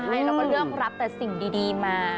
ใช่เราก็เลือกรับแต่สิ่งดีมา